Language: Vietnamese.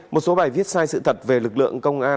một số bài viết sai sự thật về lực lượng công an